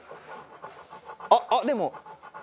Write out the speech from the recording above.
あっでも。